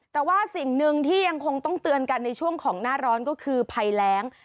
แต่ว่าสิ่งหนึ่งที่ยังคงต้องเตือนกันในช่วงของหน้าร้อนก็คือภัยแรง